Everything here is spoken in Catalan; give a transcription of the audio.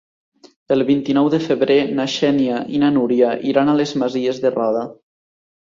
El vint-i-nou de febrer na Xènia i na Núria iran a les Masies de Roda.